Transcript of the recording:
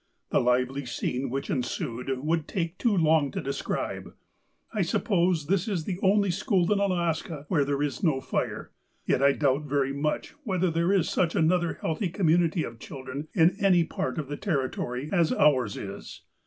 The lively scene which ensued would take too long to de scribe. I suppose this is the only school in Alaska where there is no fire, yet I doubt very much whether there is such another healthy community of children in any part of the terri tory as ours is.